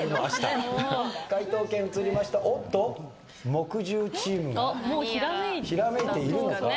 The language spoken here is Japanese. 木１０チームがひらめいているのか？